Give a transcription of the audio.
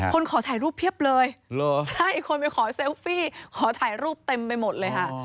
ขอถ่ายรูปเพียบเลยใช่คนไปขอเซลฟี่ขอถ่ายรูปเต็มไปหมดเลยค่ะ